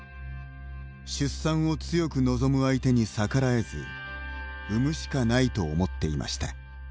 出産を強く望む相手に逆らえず産むしかないと思っていました。